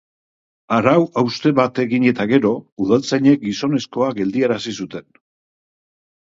Arau-hauste bat egin eta gero, udaltzainek gizonezkoa geldiarazi zuten.